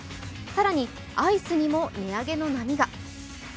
更に、アイスにも値上げの波が。